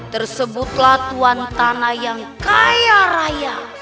tersebutlah tuan tanah yang kaya raya